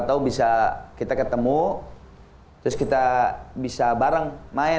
tahu bisa kita ketemu terus kita bisa bareng main